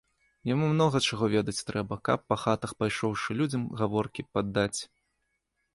Яму многа чаго ведаць трэба, каб, па хатах пайшоўшы, людзям гаворкі паддаць.